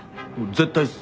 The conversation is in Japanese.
絶対っす。